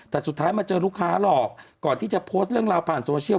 แต่สุดท้ายมาเจอลูกค้าหรอกก่อนที่จะโพสต์เรื่องราวผ่านโซเชียล